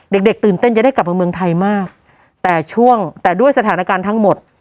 เด็กเด็กตื่นเต้นจะได้กลับมาเมืองไทยมากแต่ช่วงแต่ด้วยสถานการณ์ทั้งหมด